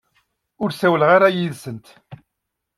Ur ssawleɣ ara yid-sent.